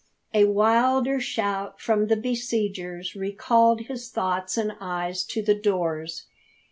A wilder shout from the besiegers recalled his thoughts and eyes to the doors.